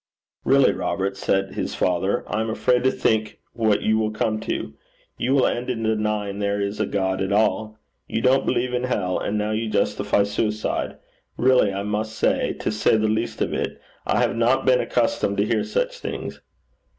'Really, Robert,' said his father, 'I am afraid to think what you will come to. You will end in denying there is a God at all. You don't believe in hell, and now you justify suicide. Really I must say to say the least of it I have not been accustomed to hear such things.'